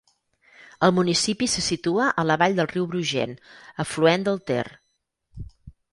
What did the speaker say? El municipi se situa a la vall del riu Brugent, afluent del Ter.